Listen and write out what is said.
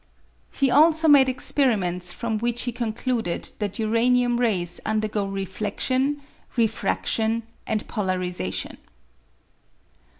He also made experiments from which he concluded that uraniurn rays undergo refledlion, refradtion, and polarisation.